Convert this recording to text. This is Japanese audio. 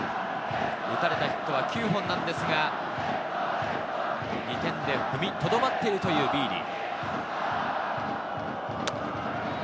打たれたヒットは９本なんですが、２点で踏みとどまっているというビーディ。